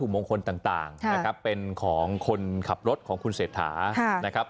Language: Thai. มงคลต่างนะครับเป็นของคนขับรถของคุณเศรษฐานะครับ